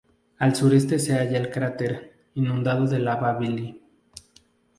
Al sureste se halla el cráter inundado de lava Billy.